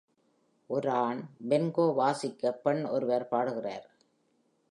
ஒரு ஆண் bongo வாசிக்க பெண் ஒருவர் பாடுகிறார்.